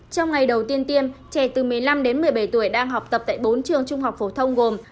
trong ngày đầu tiên tiêm trẻ từ một mươi năm đến một mươi bảy tuổi đang học tập tại bốn trường trung học phổ thông gồm